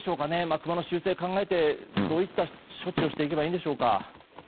クマの習性を考えてどういった処置をしていけばいいんでしょうか。